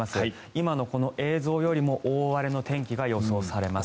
今のこの映像よりも大荒れの天気が予想されます。